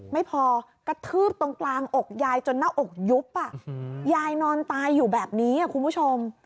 ไม่พอกระทืบตรงกลางอกยายจนหน้าอกยุบยายนอนตายอยู่แบบนี้คุณผู้ชม